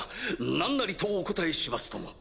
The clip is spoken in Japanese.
何なりとお答えしますとも！